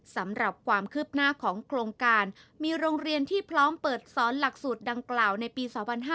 สำหรับความคืบหน้าของโครงการมีโรงเรียนที่พร้อมเปิดสอนหลักสูตรดังกล่าวในปี๒๕๕๙